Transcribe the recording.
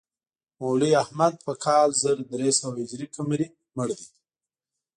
مولوي احمد په کال زر درې سوه هجري قمري مړ دی.